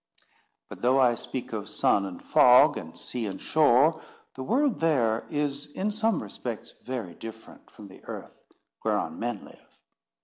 But though I speak of sun and fog, and sea and shore, the world there is in some respects very different from the earth whereon men live.